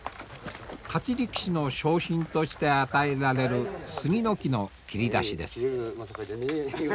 勝ち力士の賞品として与えられる杉の木の切り出しです。